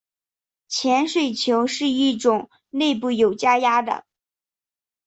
潜水球是一种内部有加压的。